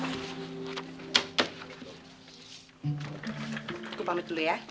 aku pamit dulu ya